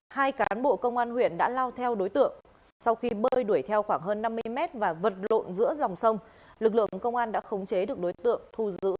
hai cán bộ công an huyện đã lao theo đối tượng sau khi bơi đuổi theo khoảng hơn năm mươi mét và vật lộn giữa dòng sông lực lượng công an đã khống chế được đối tượng thu giữ tang vật và đưa vào bờ